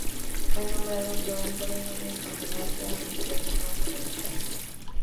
Fue nombrado Louvre en homenaje al Museo del Louvre en Francia.